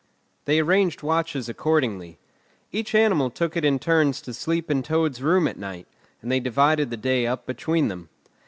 They arranged watches accordingly. Each animal took it in turns to sleep in Toad's room at night, and they divided the day up between them.